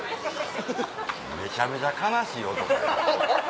めちゃめちゃ悲しい男や。